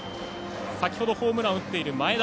先ほどホームランを打っている前田。